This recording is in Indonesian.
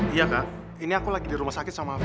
iya kak ini aku lagi di rumah sakit sama kak